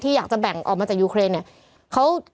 อยากจะแบ่งออกมาจากยูเครนเนี่ย